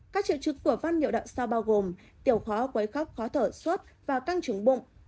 các triệu chức của văn niệu đạo sau bao gồm tiểu khó quấy khóc khó thở suốt và căng trứng bụng